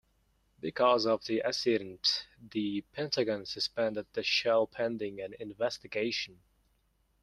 Because of the accident, the Pentagon suspended the shell pending an investigation.